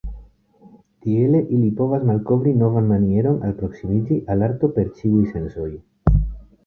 Tiele ili povas malkovri novan manieron alproksimiĝi al arto per ĉiuj sensoj.